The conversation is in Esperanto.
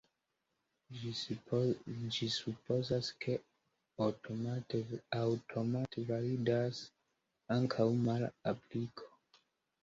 Ĝi supozas, ke aŭtomate validas ankaŭ mala apliko.